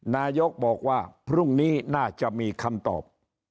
นายกบอกว่าพรุ่งนี้น่าจะมีคำตอบ